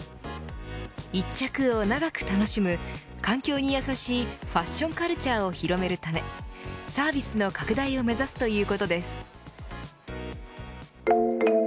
一着を長く楽しむ環境にやさしいファッションカルチャーを広めるためサービスの拡大を目指すということです。